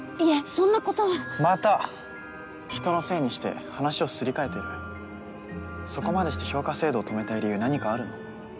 そんなことはまた人のせいにして話をすり替えてるそこまでして評価制度を止めたい理由何かあるの？